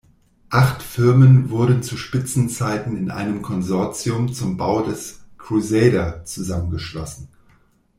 Acht Firmen wurden zu Spitzenzeiten in einem Konsortium zum Bau des "Crusader" zusammengeschlossen.